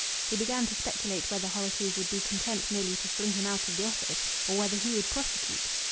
He began to speculate whether Horrocleave would be content merely to fling him out of the office, or whether he would prosecute.